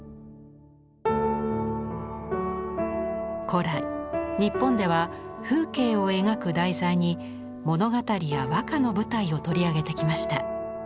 古来日本では風景を描く題材に物語や和歌の舞台を取り上げてきました。